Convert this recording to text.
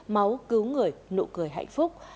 máu cứu người nụ cười hạnh phúc